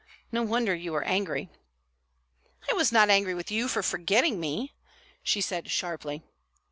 No wonder you were angry." "I was not angry with you for forgetting me," she said sharply.